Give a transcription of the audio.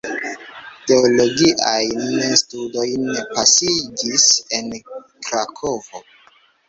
Teologiajn studojn pasigis en Krakovo.